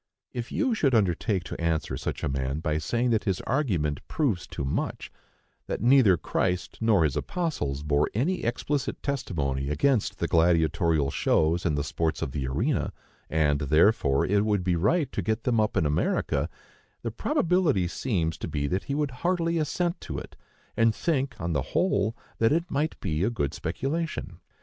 If you should undertake to answer such a man by saying that his argument proves too much,—that neither Christ nor his apostles bore any explicit testimony against the gladiatorial shows and the sports of the arena, and, therefore, it would be right to get them up in America,—the probability seems to be that he would heartily assent to it, and think, on the whole, that it might be a good speculation.